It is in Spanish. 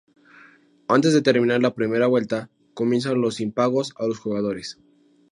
Antes de terminar la primera vuelta comienzan los impagos a los jugadores.